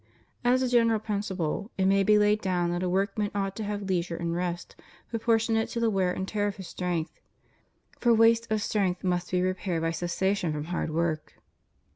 As a general principle it may be laid down that a workman ought to have leisure and rest proportionate to the wear and tear of his strength; for waste of strength must be repaired by cessation from hard work.